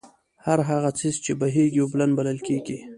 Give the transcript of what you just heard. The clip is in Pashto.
هر هغه څيز چې بهېږي، اوبلن بلل کيږي